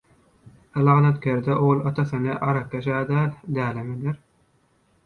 Lagnatkerde ogul atasyny arakkeş-ä däl, dälem eder.